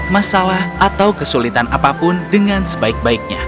masalah atau kesulitan apapun dengan sebaik baiknya